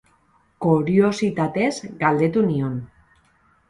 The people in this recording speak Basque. Koriositatez galdetu nion.